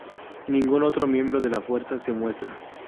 Ningún otro miembro de la fuerza se muestra.